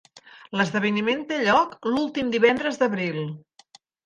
L'esdeveniment té lloc l'últim divendres d'abril.